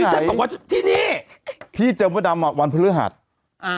ที่ไหนที่นี่พี่เจอมวดดำอ่ะวันพฤหริหัสอ่า